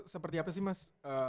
seperti apa sih mas